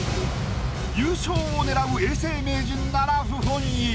優勝を狙う永世名人なら不本意。